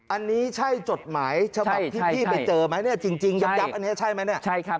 อันนี้ใช่จดหมายฉบับพี่ไปเจอไหมจริงยับอันนี้ใช่ไหม